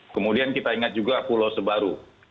kemudian kita ingat juga pulau sebaru